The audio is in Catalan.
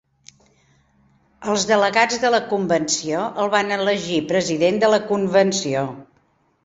Els delegats de la convenció el van elegir president de la convenció.